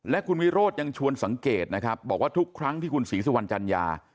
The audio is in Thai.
และคุณวิโรธยังชวนสังเกตนะครับบอกว่าทุกครั้งที่คุณศรีสุวรรณจัญญา